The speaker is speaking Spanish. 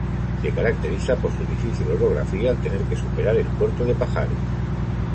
Se caracteriza por su difícil orografía al tener que superar el puerto de Pajares.